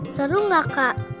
seru gak kak